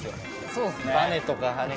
そうですね。